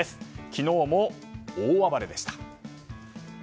昨日も大暴れでした。